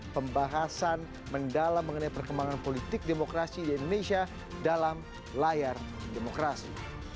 pembahasan mendalam mengenai perkembangan politik demokrasi di indonesia dalam layar demokrasi